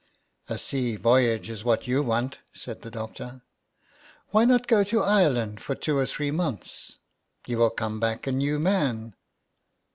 " A sea voyage is what you want," said the doctor. " Why not go to Ireland for two or three months? Vou will come back a new man."